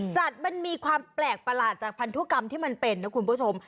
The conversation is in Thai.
สัตว์มันมีความแปลกประหลาดจากพันธุกรรมที่มันเป็นนะคุณผู้ชม